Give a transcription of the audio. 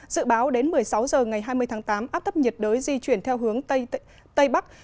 dự báo đến một mươi sáu h ngày hai mươi tháng tám áp thấp nhiệt đới di chuyển theo hướng tây bắc